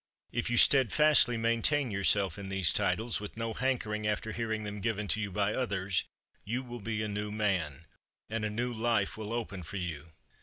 If you steadfastly maintain yourself in these titles, with no hankering after hearing them given to you by others, you will be a new man, and a new life will open for you.